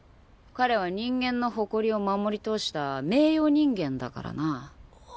彼は人間の誇りを守り通した名誉人間だからな。